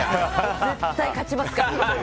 絶対勝ちますから。